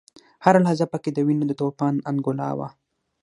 هره لحظه په کې د وینو د توپان انګولا وه.